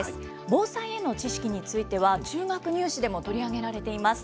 防災への知識については中学入試でも取り上げられています。